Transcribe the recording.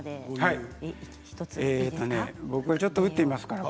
僕がちょっと打ってみますね。